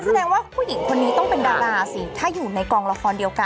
แสดงว่าผู้หญิงคนนี้ต้องเป็นดาราสิถ้าอยู่ในกองละครเดียวกัน